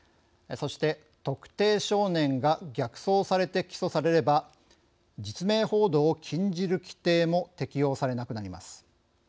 そして特定少年が逆送されて起訴されれば実名報道を禁じる規定も適用されなくなります。